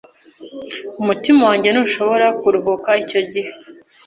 Umutima wanjye ntushobora kuruhuka icyo gihe